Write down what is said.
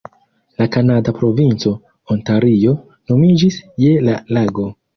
La kanada provinco, Ontario, nomiĝis je la lago.